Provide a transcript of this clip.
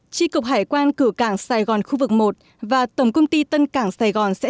tri cục hải quan cửa cảng sài gòn khu vực một và tổng công ty tân cảng sài gòn sẽ